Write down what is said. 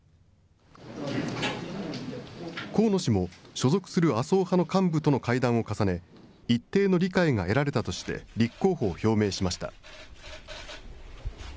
河野氏も、所属する麻生派の幹部との会談を重ね、一定の理解が得られたとして、立候補を表明しました。